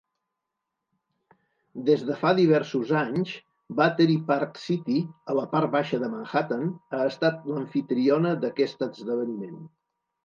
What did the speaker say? Des de fa diversos anys, Battery Park City, a la part baixa de Manhattan, ha estat l'amfitriona d'aquest esdeveniment.